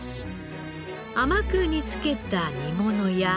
甘く煮付けた煮物や。